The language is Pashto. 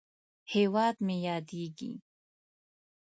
هېواد مې یادیږې!